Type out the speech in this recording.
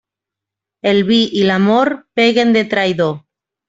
El vi i l'amor peguen de traïdor.